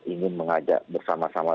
ingin mengajak bersama sama